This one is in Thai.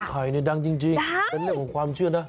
ไข่เนี่ยดังจริงเป็นเรื่องของความเชื่อนะ